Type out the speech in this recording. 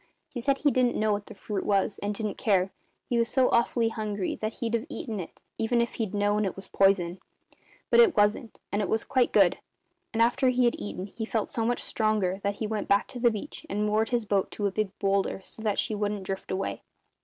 He said he didn't know what the fruit was, and didn't care, he was so awfully hungry that he'd have eaten it, even if he'd known it was poison. But it wasn't; it was quite good; and after he had eaten he felt so much stronger that he went back to the beach and moored his boat to a big boulder, so that she wouldn't drift away.